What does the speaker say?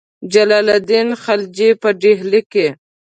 جلال الدین خلجي په ډهلي کې.